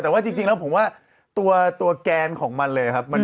แต่ว่าจริงตรงนั้นตัวแก๊งของมันเลยครับ